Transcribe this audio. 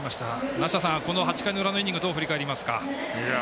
梨田さん、８回の裏のイニングどう振り返りますか？